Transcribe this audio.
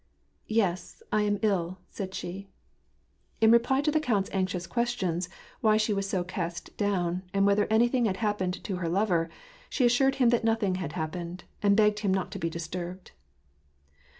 " Yes, I am ill," said she. In reply to the count's anxious questions why she was so cast down, and whether anything had happened to her lover, she assured him that nothing had happened, and begged him not to be disturbed.